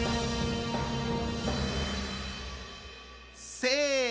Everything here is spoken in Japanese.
せの。